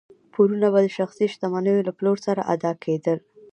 پورونه به د شخصي شتمنیو له پلور سره ادا کېدل.